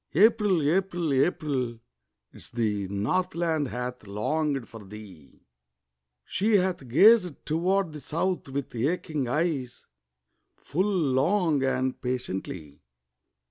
April! April! April! 'Tis the Northland hath longed for thee, She hath gazed toward the South with aching eyes Full long and patiently.